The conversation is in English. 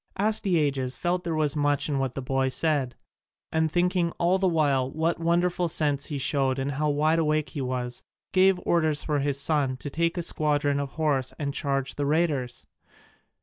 Astyages felt there was much in what the boy said, and thinking all the while what wonderful sense he showed and how wide awake he was, gave orders for his son to take a squadron of horse and charge the raiders.